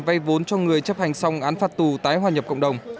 vay vốn cho người chấp hành xong án phạt tù tái hòa nhập cộng đồng